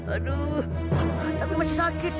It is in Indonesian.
aduh tapi masih sakit